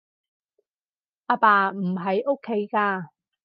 阿爸唔喺屋企㗎